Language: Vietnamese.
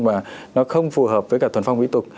mà nó không phù hợp với cả thuần phong vĩ tục